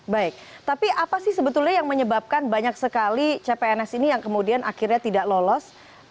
baik tapi apa sih sebetulnya yang menyebabkan banyak sekali cpns ini yang kemudian akhirnya tidak lolos